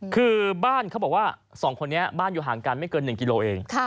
คือบ้านเขาบอกว่า๒คนนี้บ้านอยู่ห่างกันไม่เกิน๑กิโลเอง